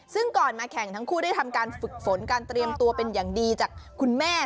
ซึ่งก่อนมาแข่งทั้งคู่ได้ทำการฝึกฝนการเตรียมตัวเป็นอย่างดีจากคุณแม่